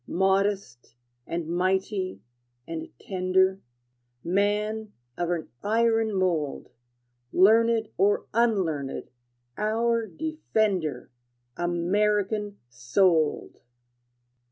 Modest, and mighty, and tender, Man of an iron mold, Learned or unlearned, our defender, American souled!